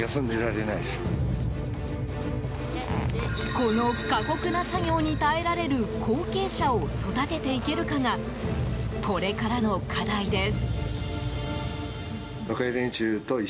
この過酷な作業に耐えられる後継者を育てていけるかがこれからの課題です。